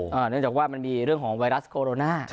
เนื่องจากว่ามันมีเรื่องของไวรัสโคโรนา